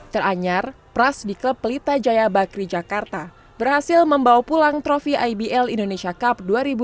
teranyar pras di klub pelita jaya bakri jakarta berhasil membawa pulang trofi ibl indonesia cup dua ribu dua puluh